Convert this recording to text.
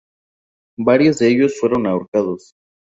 Varios de ellos fueron ahorcados.